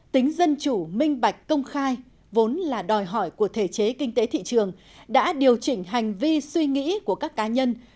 tính dân chủ minh bạch công khai vốn là đòi hỏi của thể chế kinh tế thị trường đã điều chỉnh hành vi suy nghĩ của các cá nhân